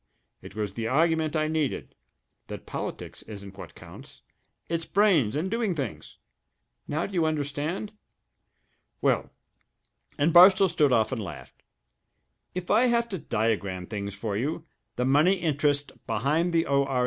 It was the argument I needed that politics isn't what counts it's brains and doing things! Now do you understand? Well" and Barstow stood off and laughed "if I have to diagram things for you, the money interests behind the O.R.